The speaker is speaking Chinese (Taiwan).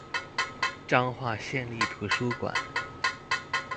彰化縣立圖書館